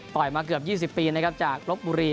มาเกือบ๒๐ปีนะครับจากลบบุรี